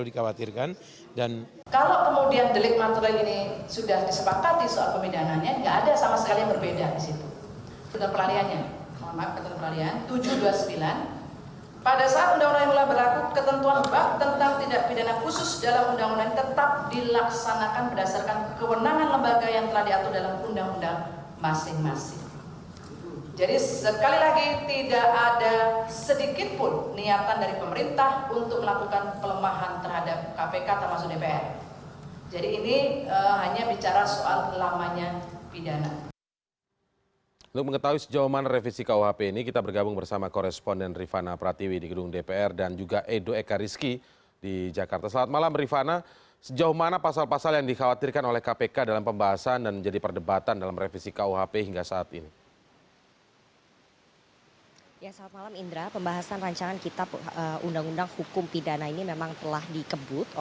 di awal rapat pimpinan rkuhp rkuhp dan rkuhp yang di dalamnya menanggung soal lgbt